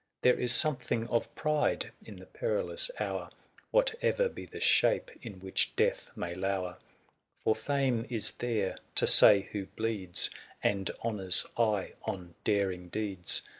There is something of pride in the perilous hour, 440 . Whate'er be the shape in which deatli may lower ; For Fame is there to say who bleeds, And Honour's eye on daring deeds